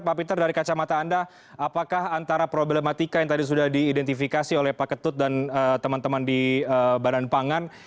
pak peter dari kacamata anda apakah antara problematika yang tadi sudah diidentifikasi oleh pak ketut dan teman teman di badan pangan